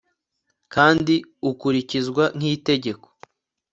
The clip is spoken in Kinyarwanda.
kandi ukurikizwa nk'itegeko